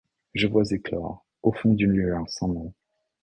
Je vois éclore, au fond d'une lueur sans nom